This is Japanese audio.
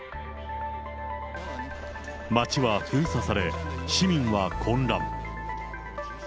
街は封鎖され、市民は混乱。